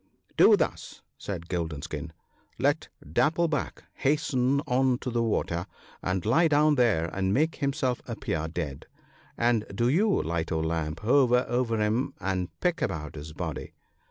" Do thus," said Golden skin :" let Dapple back hasten on to the water, and lie down there and make himself appear dead ; and do you, Light o' Leap, hover over him and peck about his body.